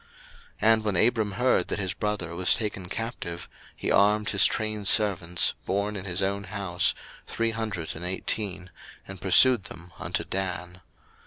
01:014:014 And when Abram heard that his brother was taken captive, he armed his trained servants, born in his own house, three hundred and eighteen, and pursued them unto Dan.